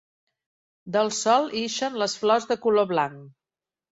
Del sol ixen les flors de color blanc.